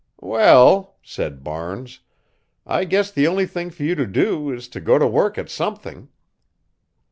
"Well," said Barnes, "I guess the only thing for you to do is to go to work at something."